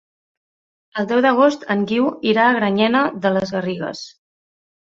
El deu d'agost en Guiu irà a Granyena de les Garrigues.